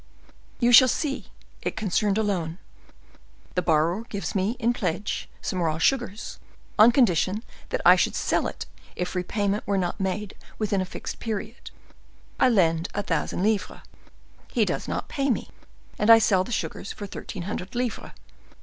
"You shall see: it concerned a loan. The borrower gives me in pledge some raw sugars, on condition that I should sell if repayment were not made within a fixed period. I lend a thousand livres. He does not pay me, and I sell the sugars for thirteen hundred livres.